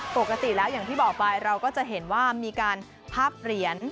ปกติแล้วอย่างที่บอกไปเราก็จะเห็นว่ามีการพับเหรียญ